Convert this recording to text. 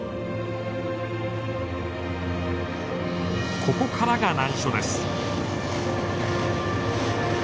ここからが難所です。